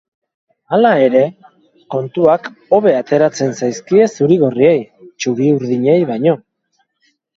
Hala ere, kontuak hobe ateratzen zaizkie zurigorriei, txuri-urdinei baino.